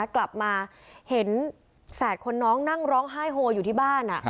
กลับมาเห็นแฝดคนน้องนั่งร้องไห้โฮอยู่ที่บ้าน